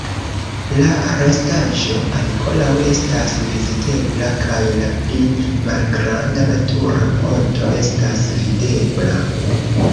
La restaĵo ankoraŭ estas vizitebla kaj la pli malgranda natura ponto estas videbla.